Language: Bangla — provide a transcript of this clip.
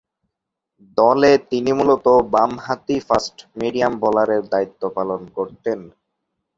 দলে তিনি মূলতঃ বামহাতি ফাস্ট মিডিয়াম বোলারের দায়িত্ব পালন করতেন।